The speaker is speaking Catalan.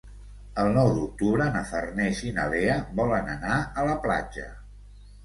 El nou d'octubre na Farners i na Lea volen anar a la platja.